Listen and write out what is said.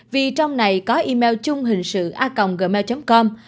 vì trong này có email chung hình sự a gmail com